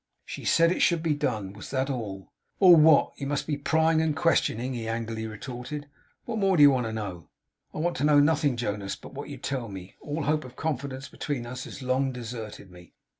She said it should be done. Was that all? 'All what? You must be prying and questioning!' he angrily retorted. 'What more do you want to know?' 'I want to know nothing, Jonas, but what you tell me. All hope of confidence between us has long deserted me!